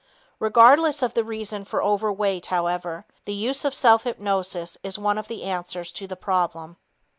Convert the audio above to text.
Regardless of the reason for overweight, however, the use of self hypnosis is one of the answers to the problem.